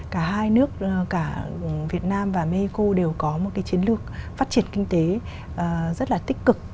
cả hai nước cả việt nam và mexico đều có một cái chiến lược phát triển kinh tế rất là tích cực